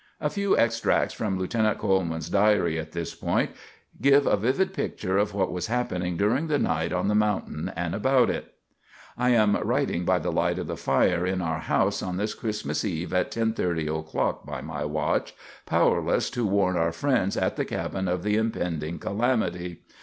A few extracts from Lieutenant Coleman's diary at this point give a vivid picture of what was happening during the night on the mountain and about it. "I am writing by the light of the fire in our house on this Christmas eve, at 10:30 o'clock by my watch, powerless to warn our friends at the cabin of the impending calamity.